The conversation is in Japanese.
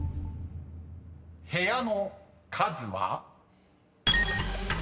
［部屋の数は？］